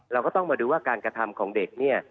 เราก็ต้องมาดูว่าการกระทำของเด็กเนี่ย